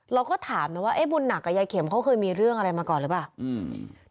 เราก็ถามนะว่าเอ๊ะบุญหนักกับยายเข็มเขาเคยมีเรื่องอะไรมาก่อนหรือเปล่าอืม